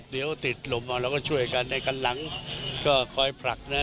เดี๋ยวติดหลบขันตรำเราก็พลักได้